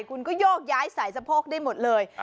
คุณก็โยกย้ายสายสะโพกได้หมดเลย